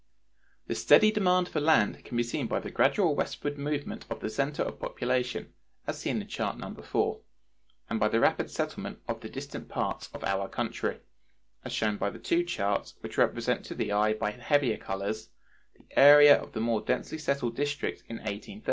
The steady demand for land can be seen by the gradual westward movement of the center of population, as seen in chart No. IV (p. 116), and by the rapid settlement of the distant parts of our country, as shown by the two charts (frontispieces), which represent to the eye by heavier colors the areas of the more densely settled districts in 1830 and in 1880.